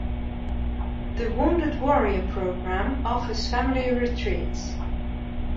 The Wounded Warrior program offers family retreats.